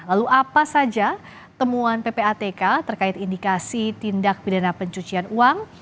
lalu apa saja temuan ppatk terkait indikasi tindak pidana pencucian uang